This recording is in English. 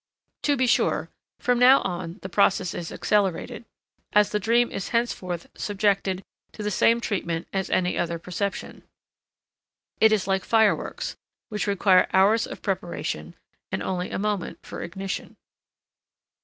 To be sure, from now on the process is accelerated, as the dream is henceforth subjected to the same treatment as any other perception. It is like fireworks, which require hours of preparation and only a moment for ignition.